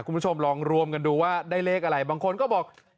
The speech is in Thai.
คุณผู้ชมลองรวมกันดูว่าได้เลขอะไรบางคนก็บอก